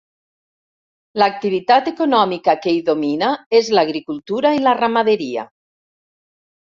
L'activitat econòmica que hi domina és l'agricultura i la ramaderia.